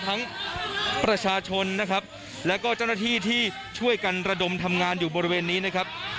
ประชาชนนะครับแล้วก็เจ้าหน้าที่ที่ช่วยกันระดมทำงานอยู่บริเวณนี้นะครับ